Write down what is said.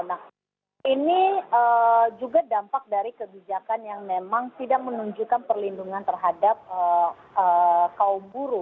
nah ini juga dampak dari kebijakan yang memang tidak menunjukkan perlindungan terhadap kaum buruh